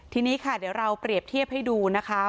ทีนี้ค่ะเดี๋ยวเราเปรียบเทียบให้ดูนะคะ